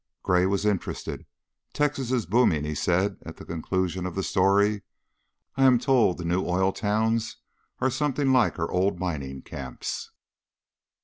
Gray was interested. "Texas is booming," he said, at the conclusion of the story. "I'm told the new oil towns are something like our old mining camps."